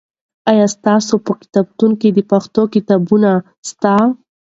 آیا ستاسې په کتابتون کې پښتو کتابونه سته؟